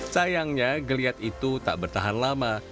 sayangnya geliat itu tak bertahan lama